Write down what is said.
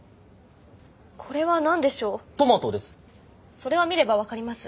それは見れば分かります。